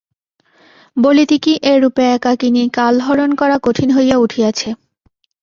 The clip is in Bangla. বলিতে কি এ রূপে একাকিনী কালহরণ করা কঠিন হইয়া উঠিয়াছে।